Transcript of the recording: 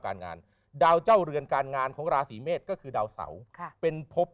การงานดาวเจ้าเรือนการงานของราศีเมษก็คือดาวเสาค่ะเป็นพบ